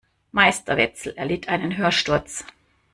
Meister Wetzel erlitt einen Hörsturz.